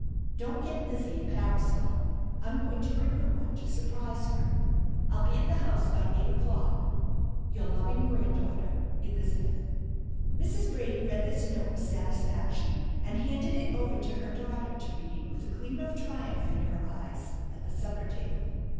Don't get Lizzie a parasol; I'm going to bring her one to surprise her. I'll be at the house by eight o'clock. "Your loving granddaughter, ELIZABETH." Mrs. Brady read this note with satisfaction and handed it over to her daughter to read with a gleam of triumph in her eyes at the supper table.